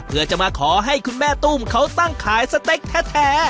เพื่อจะมาขอให้คุณแม่ตุ้มเขาตั้งขายสเต็กแท้